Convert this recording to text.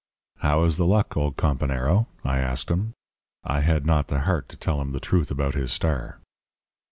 "'How is the luck, old companero?' I asked him. I had not the heart to tell him the truth about his star.